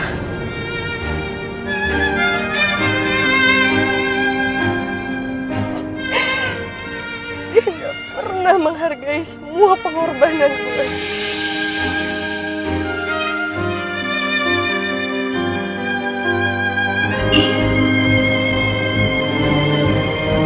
dia gak pernah menghargai semua pengorbanan gue